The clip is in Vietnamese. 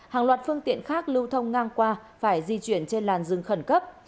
hàng loạt phương tiện khác lưu thông ngang qua phải di chuyển trên làn rừng khẩn cấp